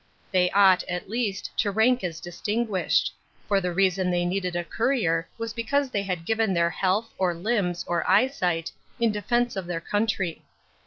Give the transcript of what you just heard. They ought, at least, to rank as distinguished; for the reason they needed a courier was because they had given their health, or limbs, or eyesight, in defence of their country.